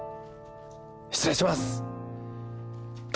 失礼します